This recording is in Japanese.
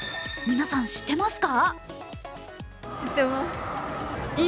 皆さん知ってますか？